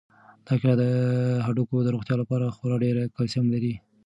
دا کیله د هډوکو د روغتیا لپاره خورا ډېر کلسیم لري.